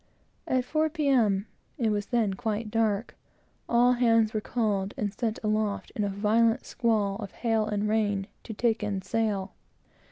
At four, P. M. (it was then quite dark) all hands were called, and sent aloft in a violent squall of hail and rain, to take in sail.